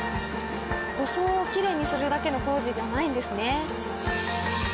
装をきれいにするだけの工事じゃないんですね。